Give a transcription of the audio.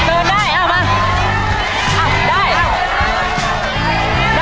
เร็วเร็วนะ